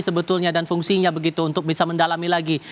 sebetulnya dan fungsinya begitu untuk bisa mendalami lagi